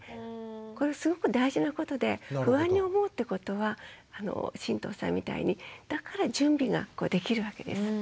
これはすごく大事なことで不安に思うってことは神藤さんみたいにだから準備ができるわけです。